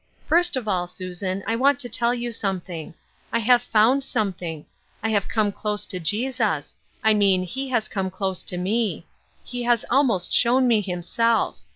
First of all, Susan, I want to tell you something. I have found something. I have come close to Jesus — I mean he has come close to me. He has al most shown me himself.